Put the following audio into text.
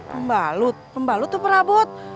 pembalut pembalut tuh perabot